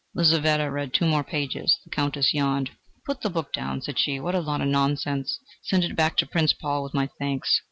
Lizaveta read two more pages. The Countess yawned. "Put the book down," said she: "what a lot of nonsense! Send it back to Prince Paul with my thanks...